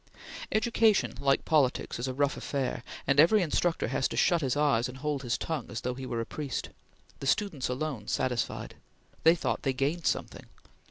Education, like politics, is a rough affair, and every instructor has to shut his eyes and hold his tongue as though he were a priest. The students alone satisfied. They thought they gained something.